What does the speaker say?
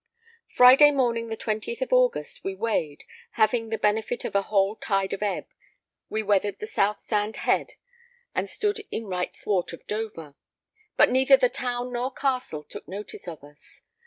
Friday morning, the 20th August, we weighed; having the benefit of a whole tide of ebb, we weathered the South Sand Head and stood in right thwart of Dover; but neither the town nor Castle took notice of us.